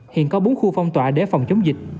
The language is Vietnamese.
hiện có bốn khu phong tỏa để phòng chống dịch